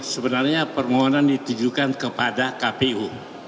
sebenarnya permohonan ditujukan kepada kpu